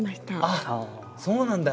あっそうなんだ。